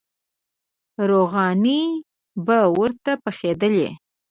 روغانۍ به ورته پخېدلې.